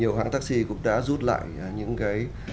nhiều hãng taxi cũng đã rút lại những cái